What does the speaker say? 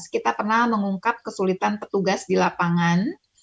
kita pernah mengungkap kesulitan petugas di lapangan